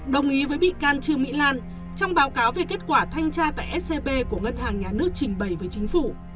đồng ý với bị can trương mỹ lan trong báo cáo về kết quả thanh tra tại scb của ngân hàng nhà nước trình bày với chính phủ